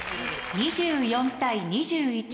２４対２１。